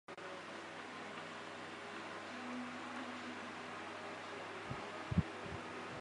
接受过国外教育的沙比提被推举为总理。